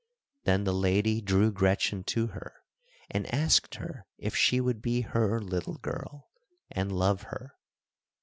Then the lady drew Gretchen to her, and asked her if she would be her little girl, and love her.